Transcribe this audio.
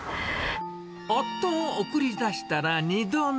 夫を送り出したら二度寝。